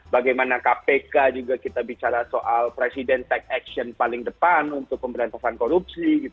bagaimana kpk juga kita bicara soal presiden take action paling depan untuk pemberantasan korupsi